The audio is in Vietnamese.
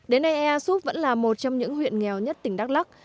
đến nay ea súp vẫn là một trong những huyện nghèo nhất tỉnh đắk lắc